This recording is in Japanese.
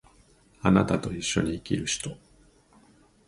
貴方と一緒に生きる人